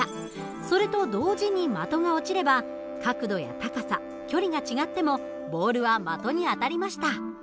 それと同時に的が落ちれば角度や高さ距離が違ってもボールは的に当たりました。